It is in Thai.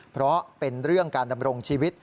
เพราะเป็นเรื่องการดำรงชีวิต